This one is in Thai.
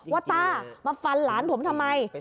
ต้ามาฟันหลานผมทำไม